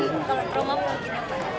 mungkin kalau trauma pun